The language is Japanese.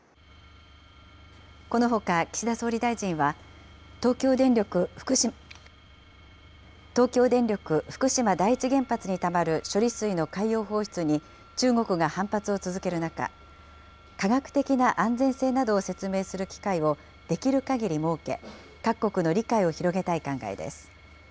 このほか岸田総理大臣は、東京電力福島第一原発にたまる処理水の海洋放出に中国が反発を続ける中、科学的な安全性などを説明する機会をできるかぎり設け、各国の理解を広げたい考えです。